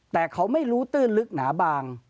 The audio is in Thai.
แต่เขาไม่รู้ตื้นลึกหนาบาง